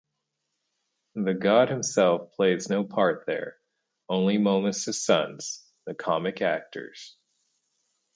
The god himself plays no part there, only "Momus' sons", the comic actors.